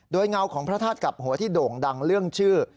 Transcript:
โดยเงาของพระธาตุกับหัวที่โด่งดังเรื่องชื่อ